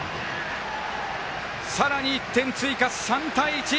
さらに１点追加、３対１！